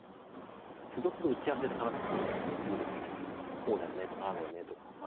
こうだよねとかああだよねとか。